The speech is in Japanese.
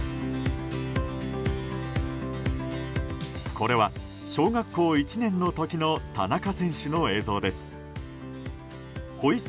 これは小学校１年の時の田中選手の映像です。